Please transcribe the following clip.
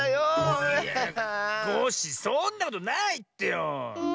コッシーそんなことないってよ！